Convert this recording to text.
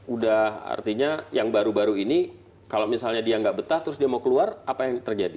udah artinya yang baru baru ini kalau misalnya dia nggak betah terus dia mau keluar apa yang terjadi